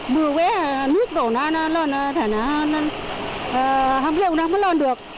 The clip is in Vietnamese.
mưa quế thì nước đồ nó lon nó không rêu nó không lon được